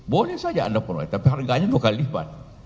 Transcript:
boleh saja anda peroleh tapi harganya dua kali lipat